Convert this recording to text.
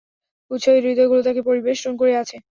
উৎসাহী হৃদয়গুলো তাঁকে পরিবেষ্টন করে আছে।